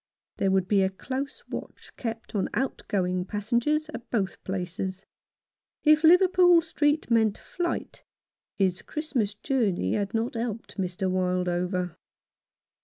There would be a close watch kept on out going passengers at both places. If Liverpool Street meant flight, his Christmas journey had not helped Mr. Wild over.